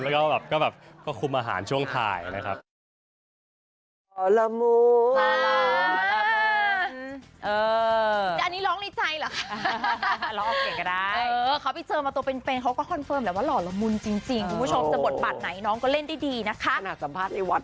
แล้วก็แบบก็แบบก็คุมอาหารช่วงถ่ายนะครับ